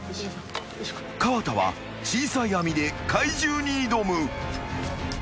［河田は小さい網で怪獣に挑む］